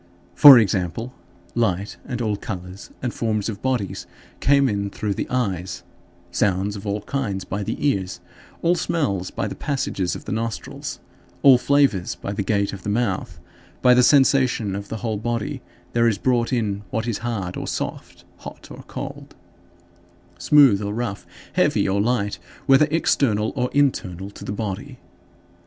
For example, light and all colors and forms of bodies came in through the eyes; sounds of all kinds by the ears; all smells by the passages of the nostrils; all flavors by the gate of the mouth; by the sensation of the whole body, there is brought in what is hard or soft, hot or cold, smooth or rough, heavy or light, whether external or internal to the body.